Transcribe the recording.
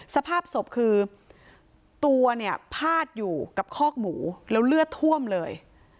สภาพศพคือตัวเนี่ยพาดอยู่กับคอกหมูแล้วเลือดท่วมเลย